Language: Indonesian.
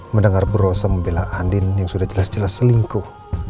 mendengar burrosa membela andin yang sudah jelas jelas selingkuh